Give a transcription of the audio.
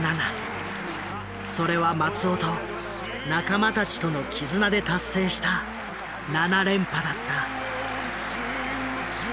それは松尾と仲間たちとの絆で達成した７連覇だった。